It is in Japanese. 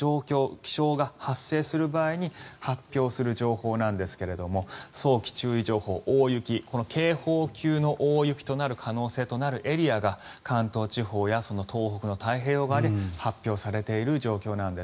気象が発生する場合に発表する情報なんですけれども早期注意情報大雪、警報級の大雪となる可能性があるエリアが関東地方や東北の太平洋側で発表されている状況なんです。